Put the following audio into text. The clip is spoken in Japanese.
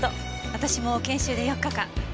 私も研修で４日間。